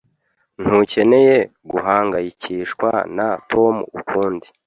Ntukeneye guhangayikishwa na Tom ukundi.